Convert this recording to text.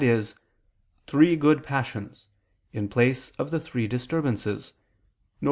e. "three good passions," in place of the three disturbances: viz.